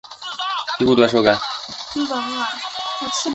板桥区全域已实施。